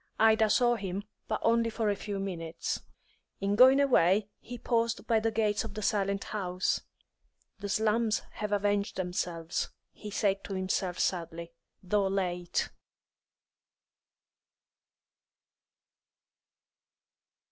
Ida saw him, but only for a few minutes. In going away, he paused by the gates of the silent house. "The slums have avenged themselves," he said to himself sadly, "though late."